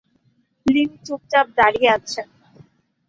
লীম চুপচাপ দাঁড়িয়ে আছে।